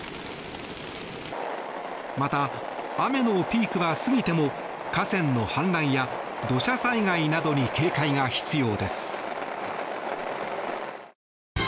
また、雨のピークは過ぎても河川の氾濫や土砂災害などに警戒が必要です。